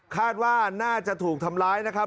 คาดว่าน่าจะถูกทำร้ายนะครับ